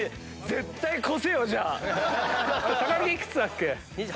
木幾つだっけ？